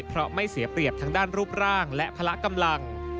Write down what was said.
เพราะไม่เสียเปรียบทางด้านรูปร่างและพละกำลัง